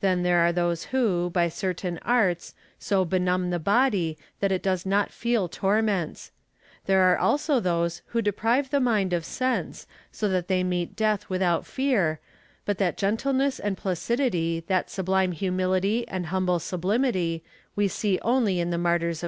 Then there are those who, by certain arts, so benumb the body that it does not feel torments; there are also those who deprive the mind of sense, so that they meet death without fear, but that gentleness and placidity, that sublime humility and humble sublimity, we see only in the martyrs of Christ.